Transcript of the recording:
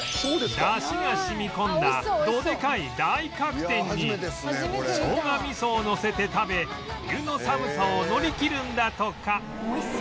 だしが染み込んだどでかい大角天に生姜味噌をのせて食べ冬の寒さを乗り切るんだとか